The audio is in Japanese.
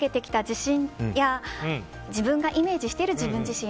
自信や自分がイメージしている自分自身。